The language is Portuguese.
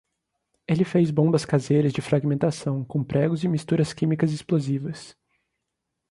Ele fez bombas caseiras de fragmentação, com pregos e misturas químicas explosivas